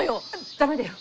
駄目だよ。